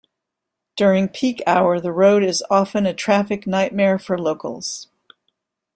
During peak hour the road is often a traffic nightmare for locals.